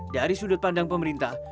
dari sudut pandang pemerintah